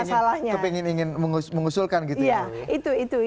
kepingin ingin mengusulkan gitu ya